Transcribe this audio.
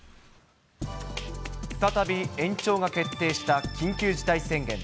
再び延長が決定した緊急事態宣言。